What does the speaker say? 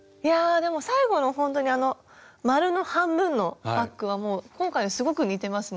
でも最後のほんとに丸の半分のバッグは今回すごく似てますね。